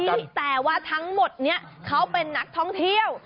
แต่ว่าทั้งหมดนี้เขาเป็นนักท่องเที่ยว